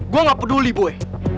gua gak peduli boy